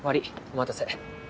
お待たせ。